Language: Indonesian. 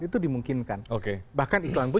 itu dimungkinkan bahkan iklan pun